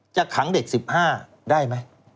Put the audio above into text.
จะขังเด็ก๑๕ได้ไหม